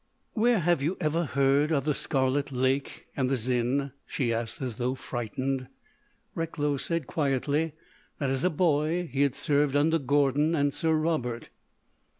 "Where have you ever heard of the Scarlet Lake and the Xin?" she asked as though frightened. Recklow said quietly that as a boy he had served under Gordon and Sir Robert.